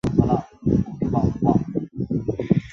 比卖神为日本神道的神只。